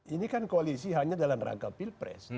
ini kan koalisi hanya dalam rangka pilpres